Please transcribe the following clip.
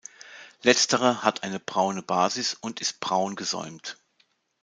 Letztere hat eine braune Basis und ist braun gesäumt.